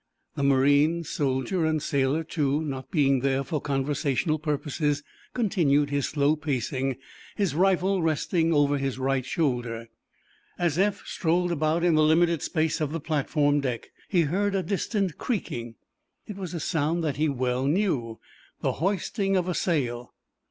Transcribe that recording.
The marine—"soldier, and sailor, too"—not being there for conversational purposes, continued his slow pacing, his rifle resting over his right shoulder. As Eph strolled about in the limited space of the platform deck he heard a distant creaking. It was a sound that he well knew—the hoisting of sail.